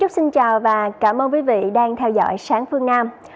xin chào và cảm ơn quý vị đang theo dõi sáng phương nam